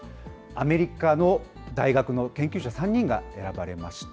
アメリカの大学の研究者３人が選ばれました。